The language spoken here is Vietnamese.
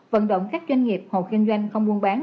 vận động các doanh nghiệp hộ kinh doanh không buôn bán